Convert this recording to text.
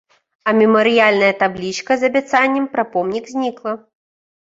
А мемарыяльная таблічка з абяцаннем пра помнік знікла.